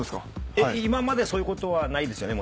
今までそういうことはないですよね？